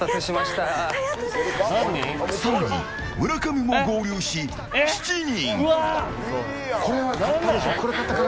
更に、村上も合流し７人。